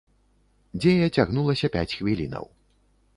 Дзея цягнулася пяць хвілінаў.